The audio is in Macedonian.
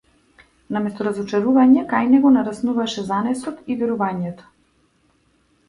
Наместо разочарување, кај него нараснуваше занесот и верувањето.